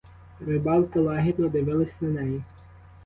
Рибалки лагідно дивились на неї.